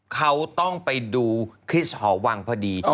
เขาต้องไปดูคริสตหอวังพอดี